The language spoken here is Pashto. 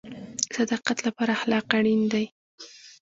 د صداقت لپاره اخلاق اړین دي